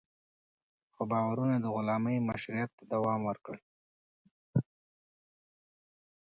خو باورونه د غلامۍ مشروعیت ته دوام ورکړ.